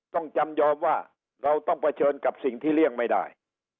ต้องจำยอมว่าเราต้องเผชิญกับสิ่งที่เลี่ยงไม่ได้